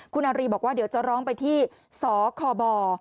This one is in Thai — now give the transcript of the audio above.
คุณอารีบอกว่าเดี๋ยวจะร้องไปที่สคบ